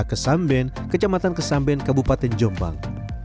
kesamben kecamatan kesamben kabupaten jombang